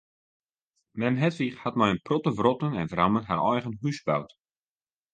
Mem Hedwig hat mei in protte wrotten en wramen har eigen hûs boud.